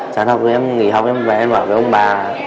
chán học rồi em nghỉ học em về em bảo với ông bà